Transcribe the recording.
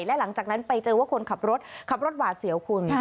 และหลังจากนั้นไปเจอว่าคนขับรถขับรถหวาดเสียวคุณ